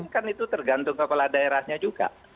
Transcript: kan itu tergantung kepala daerahnya juga